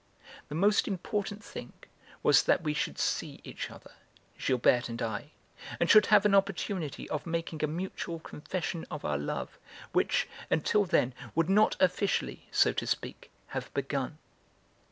The most important thing was that we should see each other, Gilberte and I, and should have an opportunity of making a mutual confession of our love which, until then, would not officially (so to speak) have begun.